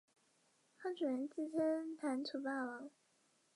康楚元自称南楚霸王。